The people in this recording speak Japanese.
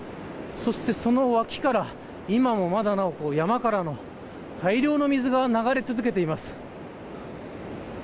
そして、その脇から今もなお山からの大量の水が流れ続けています。